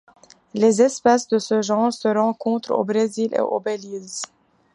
Les espèces de ce genre se rencontrent au Brésil et au Belize.